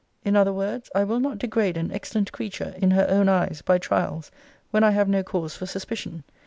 In other words, I will not degrade an excellent creature in her own eyes, by trials, when I have no cause for suspicion.